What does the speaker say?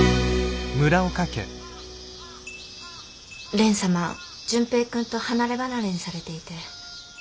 蓮様純平君と離れ離れにされていて。